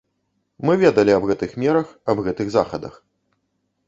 Мы ведалі аб гэтых мерах, аб гэтых захадах.